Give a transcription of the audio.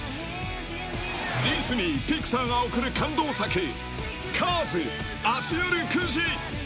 ディズニー＆ピクサーが贈る感動作「カーズ」、明日夜９時。